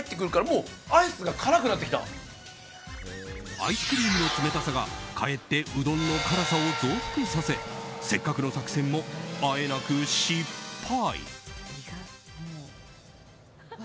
アイスクリームの冷たさがかえってうどんの辛さを増幅させせっかくの作戦も、あえなく失敗。